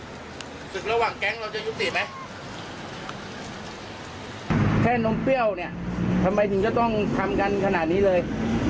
ศึกระหว่างแก๊งเราจะยุติไหมแค่นมเปรี้ยวเนี่ยทำไมถึงจะต้องทำกันขนาดนี้เลย